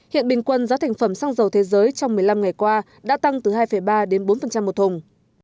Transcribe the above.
hiện bình quân giá thành phẩm xăng dầu thế giới trong một mươi năm ngày qua đã tăng từ hai ba đến bốn một thùng